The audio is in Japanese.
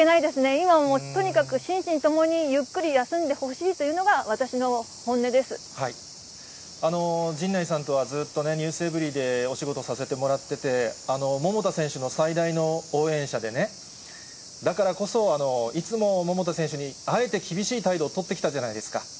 今はもう、とにかく、心身ともにゆっくり休んでほしいというのが私の本音で陣内さんとはずっとｎｅｗｓｅｖｅｒｙ．でお仕事させてもらってて、桃田選手の最大の応援者でね、だからこそ、いつも桃田選手にあえて厳しい態度をとってきたじゃないですか。